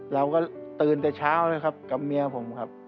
เราก็ตื่นแต่เช้าเลยครับกับเมียผมครับ